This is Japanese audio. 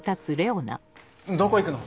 どこ行くの？